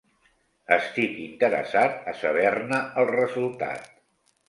Estic interessat a saber-ne el resultat.